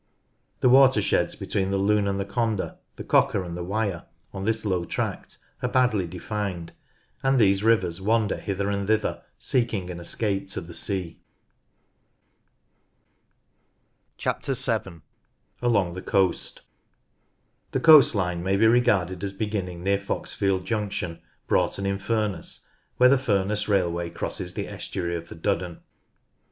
The watersheds between the Lune, the Conder, the Cocker, and the Wyre on this low tract are badly defined, and these rivers wander hither and thither seeking an escape to the sea. 7. Along the Coast. The coast line may be regarded as beginning near Foxfield Junction, Broughton in Furness, where the Ful ness railway crosses the estuary of the Duddon.